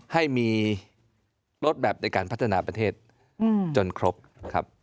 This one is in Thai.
ให้มีลดแบบในการพัฒนาประเทศจนครบครับ